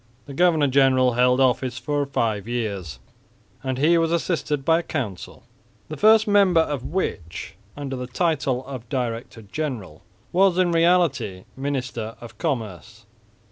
The governor general held office for five years, and he was assisted by a council, the first member of which, under the title of director general, was in reality minister of commerce.